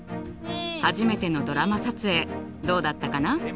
初めてのドラマ撮影どうだったかな？